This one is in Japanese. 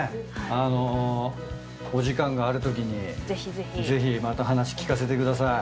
あのお時間があるときにぜひまた話聞かせてください。